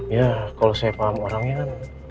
ya kalau saya paham orangnya kan